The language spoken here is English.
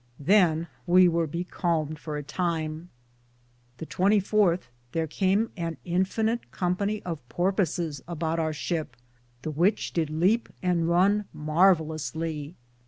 Than we weare becalmed for a time. The 24 thare came an Infinite company of porposis aboute our ship, the which did leape and Rone (run) marvalusly.